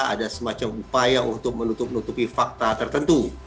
ada semacam upaya untuk menutup nutupi fakta tertentu